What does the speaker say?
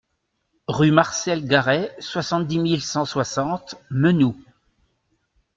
Rue Marcel Garret, soixante-dix mille cent soixante Menoux